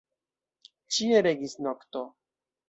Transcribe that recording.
Ĉie regis nokto.